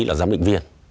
là giám định viên